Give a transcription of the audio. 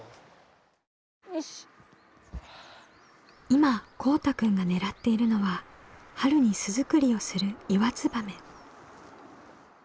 今こうたくんが狙っているのは春に巣作りをするイワツバメ。